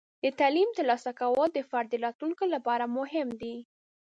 د تعلیم ترلاسه کول د فرد د راتلونکي لپاره مهم دی.